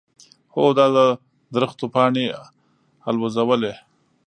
هوا د درختو پاڼې الوزولې.